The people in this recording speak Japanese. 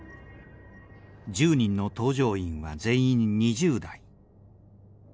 １０人の搭乗員は全員２０代。